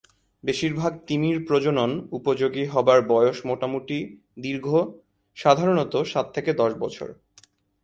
বেশিরভাগ তিমির প্রজনন উপযোগী হবার বয়স মোটামুটি দীর্ঘ, সাধারণত সাত থেকে দশ বছর।